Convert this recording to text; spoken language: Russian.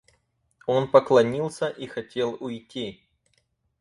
Он поклонился и хотел уйти.